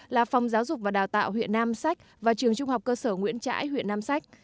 là phòng giáo dục và đào tạo huyện nam sách và trường trung học cơ sở nguyễn trãi huyện nam sách